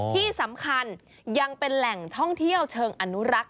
ที่สำคัญยังเป็นแหล่งท่องเที่ยวเชิงอนุรักษ์